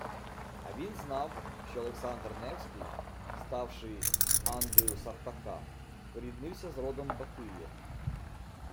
А він знав, що Олександр Невський, ставши андою Сартака, поріднився з родом Батия